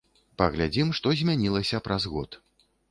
Паглядзім, што змянілася праз год.